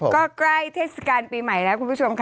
ก็ใกล้เทศกาลปีใหม่แล้วคุณผู้ชมค่ะ